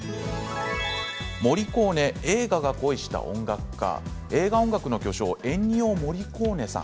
「モリコーネ映画が恋した音楽家」映画音楽の巨匠エンニオ・モリコーネさん